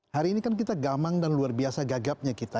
hari ini kan kita gamang dan luar biasa gagapnya kita